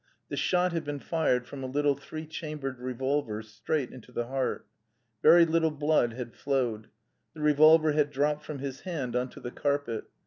The shot had been fired from a little three chambered revolver, straight into the heart. Very little blood had flowed. The revolver had dropped from his hand on to the carpet.